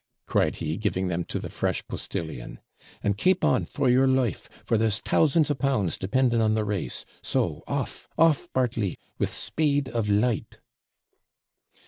cried he, giving them to the fresh postillion; 'and keep on, for your life, for there's thousands of pounds depending on the race so, off, off, Bartley, with speed of light!'